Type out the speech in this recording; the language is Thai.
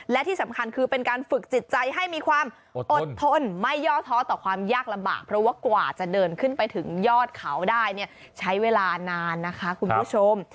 และที่สำคัญคือเป็นการฝึกจิตใจให้มีความอดทนไม่ย่อท้อต่อความยากลำบากเพราะว่ากว่าจะเดินขึ้นไปถึงยอดเขาได้เนี่ยใช้เวลานานนะคะคุณผู้ชม